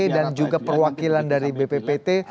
dan juga perwakilan dari bppt